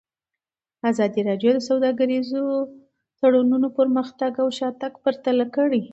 ازادي راډیو د سوداګریز تړونونه پرمختګ او شاتګ پرتله کړی.